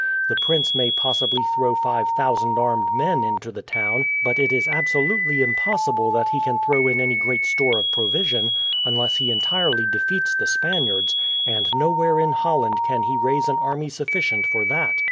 The prince may possibly throw five thousand armed men into the town, but it is absolutely impossible that he can throw in any great store of provision, unless he entirely defeats the Spaniards; and nowhere in Holland can he raise an army sufficient for that.